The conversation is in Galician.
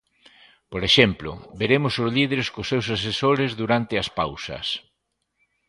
Por exemplo: veremos os líderes cos seus asesores durante as pausas.